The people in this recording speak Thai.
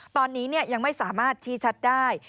ตอนนี้ยังไม่สามารถชี้ชัดได้